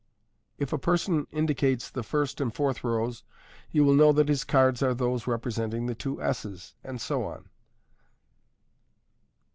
If a person indi cates the first and fourth rows, you will know that his cards are those representing the two S's, and so on.